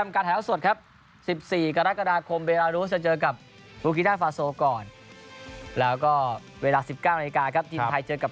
กันกี๊ที่สองครับ